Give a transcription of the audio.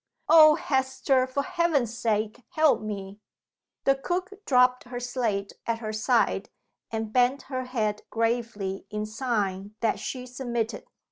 "Oh, Hester! for Heaven's sake help me!" The cook dropped her slate at her side and bent her head gravely in sign that she submitted.